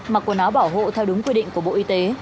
mặc quần áo bảo hộ theo đúng quy định của bộ y tế